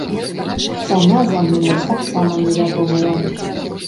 Цана за нумар таксама невядомая.